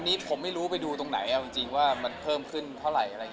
อันนี้ผมไม่รู้ไปดูตรงไหนจริงว่ามันเพิ่มขึ้นเท่าไร